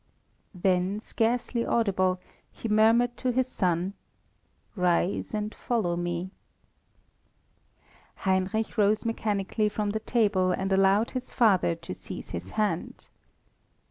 Then, scarcely audible, he murmured to his son: "Rise and follow me." Heinrich rose mechanically from the table and allowed his father to seize his hand.